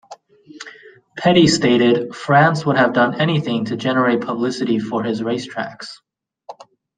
Petty stated, France would have done anything to generate publicity for his racetracks.